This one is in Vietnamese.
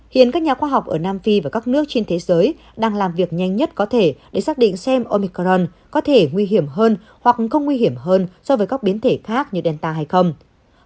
hiện các nhà khoa học ở nam phi và các nước trên thế giới đang làm việc nhanh nhất có thể để xác định xem omicron có thể nguy hiểm hơn hoặc không nguy hiểm hơn so với các biến thể khác như delta hay không